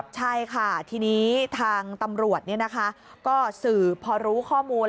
ใช่ค่ะทีนี้ทางตำรวจก็สื่อพอรู้ข้อมูล